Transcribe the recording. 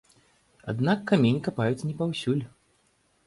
Аднак камень капаюць не паўсюль.